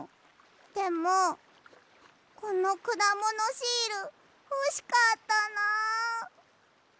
でもこのくだものシールほしかったなあ。